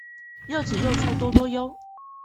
柚子用處多多唷